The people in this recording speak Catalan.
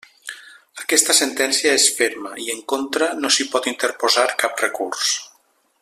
Aquesta sentència és ferma i, en contra, no s'hi pot interposar cap recurs.